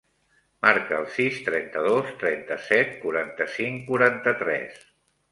Marca el sis, trenta-dos, trenta-set, quaranta-cinc, quaranta-tres.